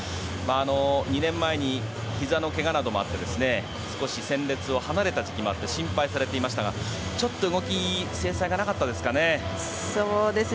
２年前にひざの怪我などもあって少し戦列を離れた時期もあって心配されていましたがちょっと動き精細がなかったですかね。